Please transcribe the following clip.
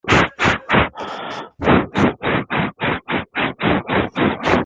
Linden est mariée avec Timo Mehtälä.